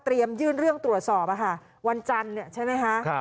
เตรียมยื่นเรื่องตรวจสอบวันจันทร์ใช่ไหมคะ